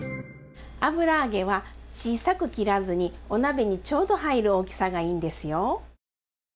油揚げは小さく切らずにお鍋にちょうど入る大きさがいいんですよ。